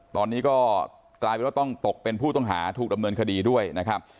ตอนนี้ก็กลายเป็นว่าต้องตกเป็นผู้ต้องหาถูกดำเนินคดีด้วยนะครับ